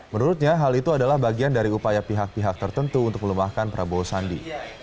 menurutnya hal itu adalah bagian dari upaya pihak pihak tertentu untuk melemahkan prabowo sandi